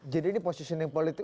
jadi ini positioning politik